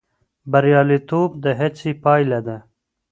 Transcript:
بریالیتوب د هڅې پایله ده.